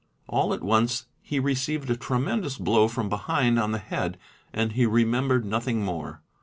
All at once he received a tremendous blow from behind on the head and he remembered nothing more.